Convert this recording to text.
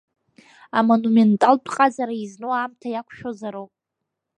Амонументалтә ҟазара изну аамҭа иақәшәозароуп.